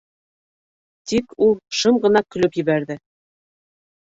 Тик ул шым ғына көлөп ебәрҙе: